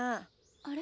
あれ？